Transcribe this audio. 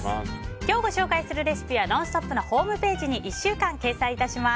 今日ご紹介するレシピは「ノンストップ！」のホームページに１週間掲載いたします。